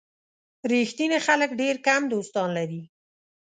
ریښتیني خلک ډېر کم دوستان لري.